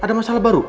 ada masalah baru